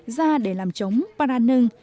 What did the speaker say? da để làm trống paranưng